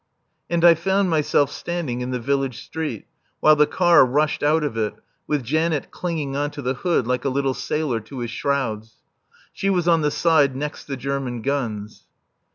And I found myself standing in the village street, while the car rushed out of it, with Janet clinging on to the hood, like a little sailor to his shrouds. She was on the side next the German guns.